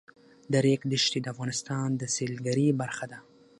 د ریګ دښتې د افغانستان د سیلګرۍ برخه ده.